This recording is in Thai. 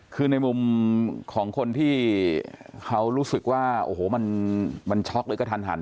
คือในมุมของคนที่เขารู้สึกว่าโอ้โหมันช็อกเลยกระทันหัน